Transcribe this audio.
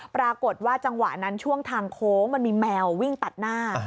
ปรากฏว่าจังหวะนั้นช่วงทางโค้งมันมีแมววิ่งตัดหน้า